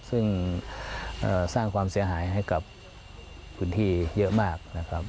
ซึ่งสร้างความเสียหายให้กับพื้นที่เยอะมากนะครับ